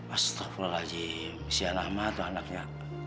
astaghfirullahaladzim si aneh anaknya